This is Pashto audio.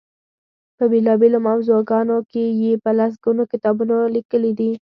په بېلا بېلو موضوعګانو کې یې په لس ګونو کتابونه لیکلي دي.